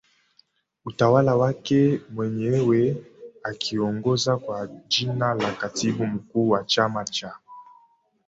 utawala wake mwenyewe akiongoza kwa jina la Katibu Mkuu wa chama cha